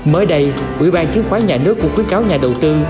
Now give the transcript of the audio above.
mới đây ủy ban chiến khoán nhà nước của quyết cáo nhà đầu tư